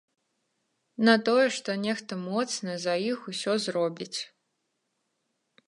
На тое, што нехта моцны за іх усё зробіць.